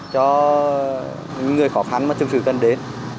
cho những người khó khăn mà thực sự cần đến